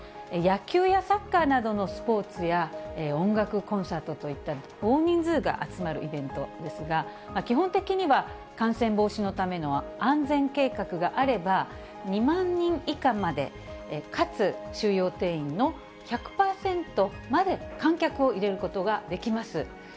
野球やサッカーなどのスポーツや、音楽コンサートといった大人数が集まるイベントですが、基本的には感染防止のための安全計画があれば、２万人以下までかつ収容定員の１００％まで観客を入れることができます。